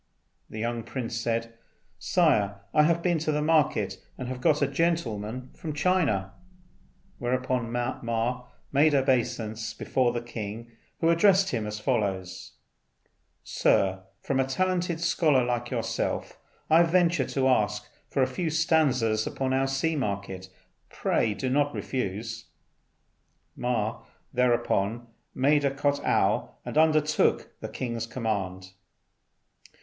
The young prince said, "Sire, I have been to the market, and have got a gentleman from China." Whereupon Ma made obeisance before the king, who addressed him as follows: "Sir, from a talented scholar like yourself I venture to ask for a few stanzas upon our sea market. Pray do not refuse." Ma thereupon made a kot'ow and undertook the king's command.